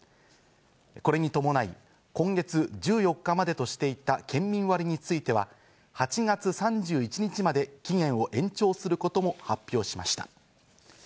これに伴い今月１４日までとしていた県民割については、８月３１日まで期限を延長することも発表しました。